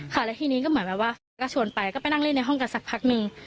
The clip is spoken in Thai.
แล้วทีนี้ก็เหมือนแบบว่าก็ชวนไปก็ไปนั่งเล่นในห้องกันสักพักนึง